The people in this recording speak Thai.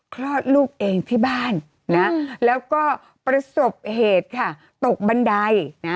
คลอดลูกเองที่บ้านนะแล้วก็ประสบเหตุค่ะตกบันไดนะ